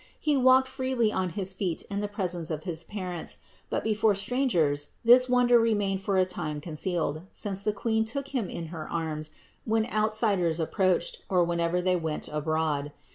He walked freely on his feet in the presence of his parents; but before strangers this wonder remained for a time concealed, since the Queen took Him in her arms when outsiders approached or when ever they went abroad.